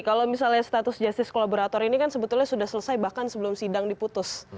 kalau misalnya status justice kolaborator ini kan sebetulnya sudah selesai bahkan sebelum sidang diputus